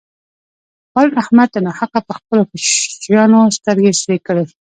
پرون احمد ناحقه پر خپلو کوشنيانو سترګې سرې کړې.